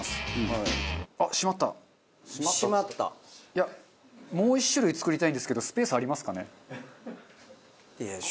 いやもう１種類作りたいんですけどスペースありますかね？